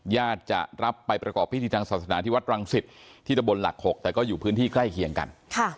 ญาติจะรับไปประกอบพิธีทางศาสนาที่วัดรังสิตที่ตะบนหลัก๖แต่ก็อยู่พื้นที่ใกล้เคียงกัน